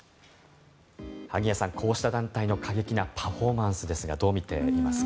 萩谷さん、こうした団体の過激なパフォーマンスですがどう見ていますか。